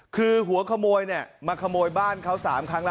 คือหัวขโมยมาขโมยบ้านเขา๓ครั้ง